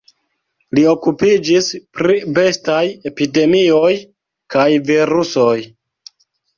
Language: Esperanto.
Li okupiĝis pri bestaj epidemioj kaj virusoj.